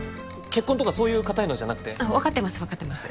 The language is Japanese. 結婚とかそういう堅いのじゃなく分かってます分かってます